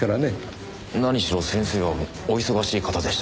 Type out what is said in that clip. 何しろ先生はお忙しい方でしたから。